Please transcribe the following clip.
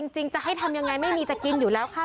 จะให้ทำยังไงไม่มีจะกินอยู่แล้วค่ะ